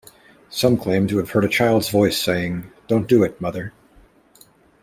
Some claim to have heard a child's voice saying Don't do it, Mother!